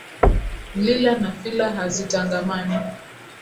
Lila na fila hazitangamani